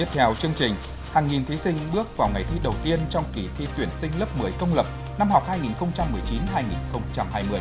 theo chương trình hàng nghìn thí sinh bước vào ngày thi đầu tiên trong kỳ thi tuyển sinh lớp một mươi công lập năm học hai nghìn một mươi chín hai nghìn hai mươi